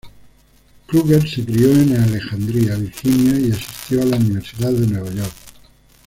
Kruger se crio en Alexandria, Virginia, y asistió a la Universidad de Nueva York.